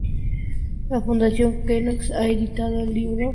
La Fundación Konex ha editado “El Libro de los Premios Konex.